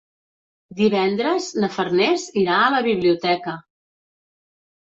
Divendres na Farners irà a la biblioteca.